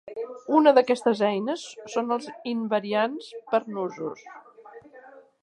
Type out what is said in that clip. Una d'aquestes eines són els invariants per nusos.